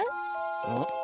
うん？